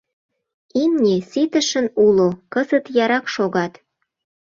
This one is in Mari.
Имне ситышын уло, кызыт ярак шогат.